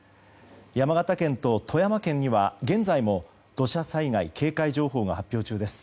山形県と富山県には現在も土砂災害警戒情報が発表中です。